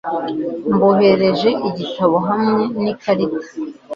Mboherereje igitabo hamwe n'ikarita.